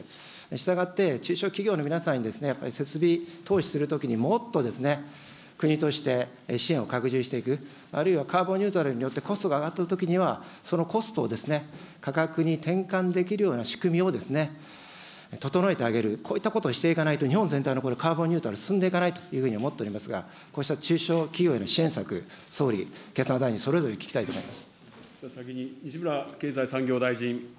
したがって、中小企業の皆さんにやっぱり設備投資するときに、もっと国として支援を拡充していく、あるいはカーボンニュートラルによってコストが上がったときには、そのコストを価格にてんかんできるような仕組みを、整えてあげる、こういったことをしていかないと、日本全体のこれ、カーボンニュートラル進んでいかないというふうに思っておりますが、こうした中小企業への支援策、総理、経産大臣にそれぞれ聞きたいと思います。